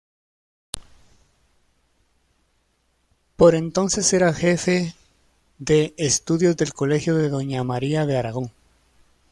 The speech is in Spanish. Por entonces era jefe de Estudios del Colegio de doña María de Aragón.